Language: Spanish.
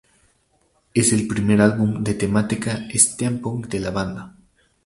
Es el primer álbum de temática Steampunk de la banda.